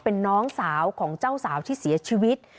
เป็นน้องสาวของเจ้าสาวที่เสียชีวิต